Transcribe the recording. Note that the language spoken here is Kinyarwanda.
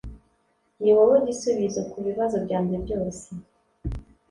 niwowe gisubizo kubibazo byanjye byose